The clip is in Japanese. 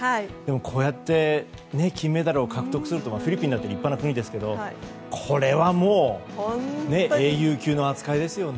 こうやって、金メダルを獲得するというのはフィリピンだって立派な国ですけど英雄級の扱いですよね。